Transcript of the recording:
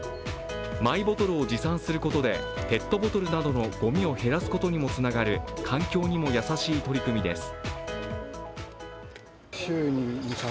マイボトルを持参することでペットボトルなどのごみを減らすことにもつながる環境にも優しい取り組みです。